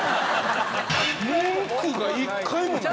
文句が１回もない。